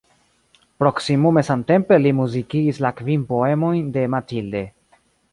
Proksimume samtempe li muzikigis la kvin poemojn de Mathilde.